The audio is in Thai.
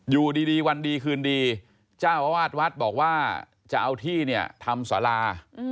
อยู่ดีวันดีคืนดีเจ้าอาวาสวัดบอกว่าจะเอาที่เนี่ยทำสารา